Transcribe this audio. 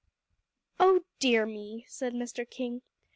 "Oh dear me!" said Mr. King.